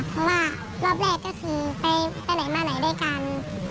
เพราะว่ารอบแรกก็คือไปไหนมาไหนด้วยกัน